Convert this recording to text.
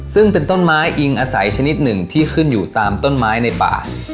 ซึ่งเป็นต้นไม้อิงอาศัยชนิดหนึ่งที่ขึ้นอยู่ตามต้นไม้ในป่า